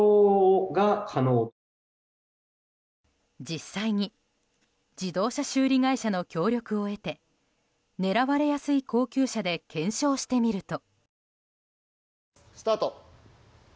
実際に自動車修理会社の協力を得て狙われやすい高級車で検証してみると。